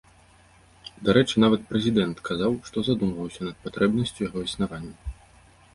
Дарэчы, нават прэзідэнт казаў, што задумваўся над патрэбнасцю яго існавання.